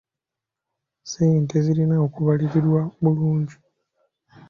Ssente zirina okubalirirwa bulungi.